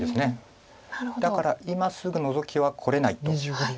だから今すぐノゾキはこれないと。